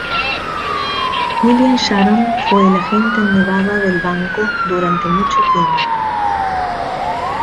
William Sharon fue el agente en Nevada del banco durante mucho tiempo.